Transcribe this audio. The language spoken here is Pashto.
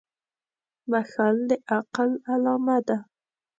• بښل د عقل علامه ده.